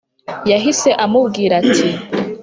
yahise amubwira ati: